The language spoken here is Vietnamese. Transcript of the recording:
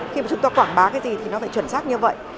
khi mà chúng tôi quảng bá cái gì thì nó phải chuẩn xác như vậy